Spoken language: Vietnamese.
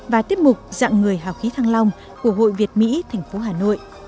và tiết mục dạng người hào khí thăng long của hội việt mỹ thành phố hà nội